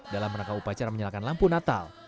dalam rangka upacara menyalakan lampu natal